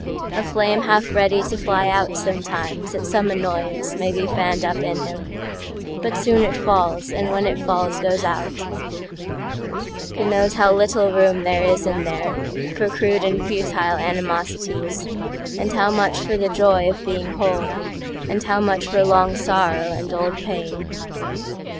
A flame half ready to fly out sometimesAt some annoyance may be fanned up in him, But soon it falls, and when it falls goes out; He knows how little room there is in thereFor crude and futile animosities, And how much for the joy of being whole, And how much for long sorrow and old pain.